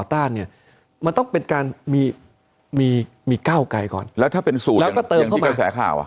ต่างอย่างที่กระแสข่าว